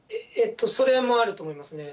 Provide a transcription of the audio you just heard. それもあると思いますね。